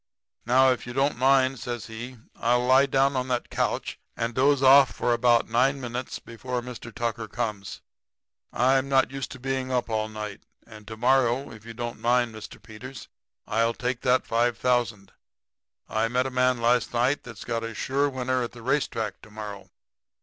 Now if you don't mind,' says he, 'I'll lie down on that couch and doze off for about nine minutes before Mr. Tucker comes. I'm not used to being up all night. And to morrow, if you don't mind, Mr. Peters, I'll take that five thousand. I met a man last night that's got a sure winner at the racetrack to morrow.